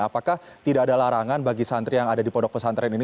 apakah tidak ada larangan bagi santri yang ada di pondok pesantren ini